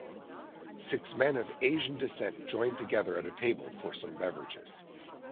Six men of Asian descent join together at a table for some beverages